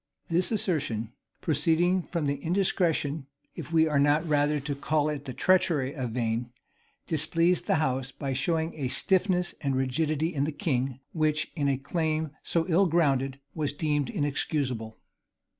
This assertion, proceeding from the indiscretion, if we are not rather to call it the treachery of Vane, displeased the house, by showing a stiffness and rigidity in the king, which, in a claim so ill grounded, was deemed inexcusable.